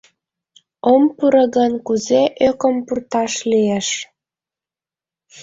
— Ом пуро гын, кузе ӧкым пурташ лиеш!